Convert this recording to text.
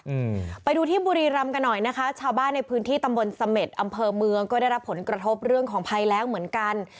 อืมไปดูที่บุรีรำกันหน่อยนะคะชาวบ้านในพื้นที่ตำบลเสม็ดอำเภอเมืองก็ได้รับผลกระทบเรื่องของภัยแรงเหมือนกัน